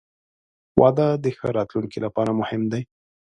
• واده د ښه راتلونکي لپاره مهم دی.